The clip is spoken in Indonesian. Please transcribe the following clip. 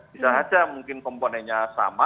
bisa saja mungkin komponennya sama